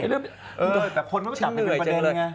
แต่คนมันก็จับให้เป็นประเด็นไง